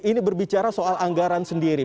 ini berbicara soal anggaran sendiri